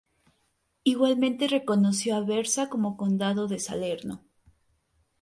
Igualmente reconoció Aversa como condado de Salerno.